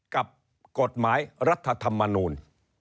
กับกฎหมายรัฐธรรมนูล